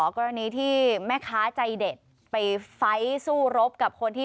กรณีที่แม่ค้าใจเด็ดไปไฟล์สู้รบกับคนที่